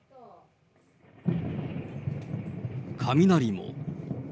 雷も。